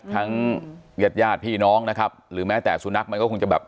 ทั้งเย็ดยาดพี่น้องนะครับหรือแม้แต่สุนัขมันก็คงจะแบบ